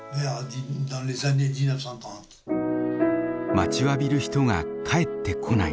待ちわびる人が帰ってこない。